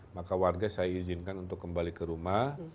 maka warga saya izinkan untuk kembali ke rumah